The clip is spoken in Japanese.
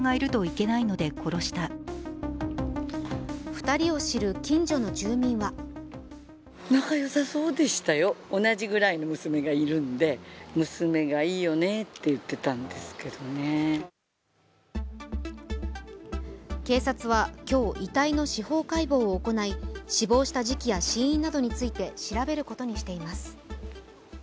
２人を知る近所の住民は警察は今日、遺体の司法解剖を行い死亡した時期や死因などについて調べることにしています。